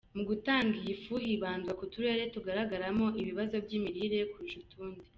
Mu gutanga iyi fu hibandwa ku turere tugaragaramo ibibazo by’imirire kurusha utundi.